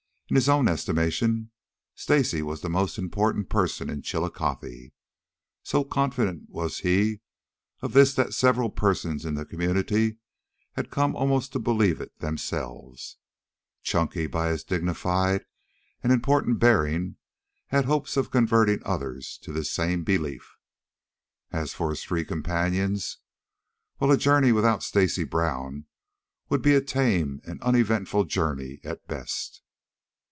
In his own estimation, Stacy was the most important person in Chillcothe. So confident was he of this that several persons in the community had come almost to believe it themselves. Chunky, by his dignified and important bearing, had hopes of converting others to this same belief. As for his three companions well, a journey without Stacy Brown would be a tame and uneventful journey at best.